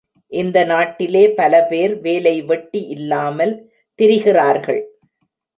இந்த நாட்டிலே பல பேர் வேலைவெட்டி இல்லாமல் திரிகிறார்கள்.